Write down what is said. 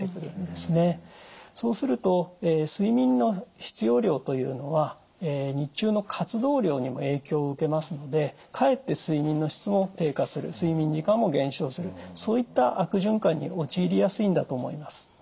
そうすると睡眠の必要量というのは日中の活動量にも影響を受けますのでかえって睡眠の質も低下する睡眠時間も減少するそういった悪循環に陥りやすいんだと思います。